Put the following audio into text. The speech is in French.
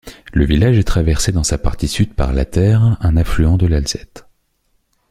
Le village est traversé dans sa partie sud par l'Attert, un affluent de l'Alzette.